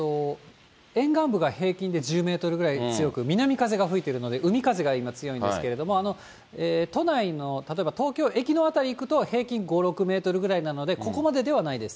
沿岸部が平均で１０メートルぐらい強く、南風が吹いてるので、海風が今強いんですけれども、都内の例えば東京駅の辺り行くと、平均５、６メートルぐらいなので、ここまでではないです。